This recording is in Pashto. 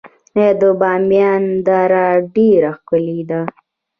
د بامیان دره ډیره ښکلې ده